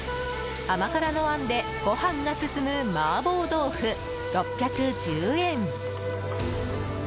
甘辛のあんでご飯が進む麻婆豆腐、６１０円。